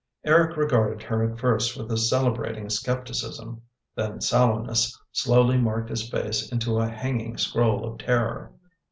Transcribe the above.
Eric regarded her at first with a celebrating scepticism; then saDowness slowly marked his face into a hanging scroll of terror.